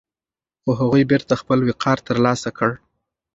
خو هغوی بېرته خپل وقار ترلاسه کړ.